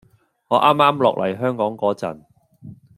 我啱啱落嚟香港嗰陣